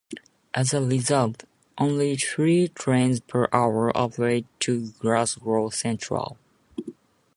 As a result, only three trains per hour operate to Glasgow Central.